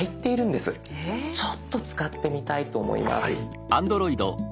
ちょっと使ってみたいと思います。